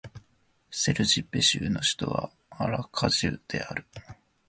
セルジッペ州の州都はアラカジュである